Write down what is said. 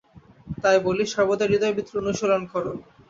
তাই বলি, সর্বদা হৃদয়বৃত্তির অনুশীলন কর।